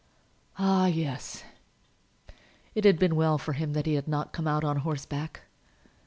Ah, yes; it had been well for him that he had not come out on horseback.